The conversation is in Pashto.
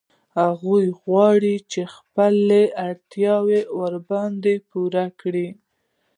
هغوی غواړي چې خپلې اړتیاوې ورباندې پوره کړي